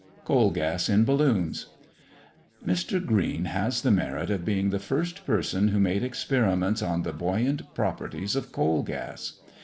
COAL GAS in BALLOONS. Mr. Green has the merit of being the first person who made experiments on the buoyant properties of Coal Gas.